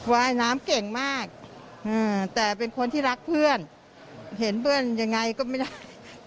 ว่ายน้ำเก่งมากแต่เป็นคนที่รักเพื่อนเห็นเพื่อนยังไงก็ไม่ได้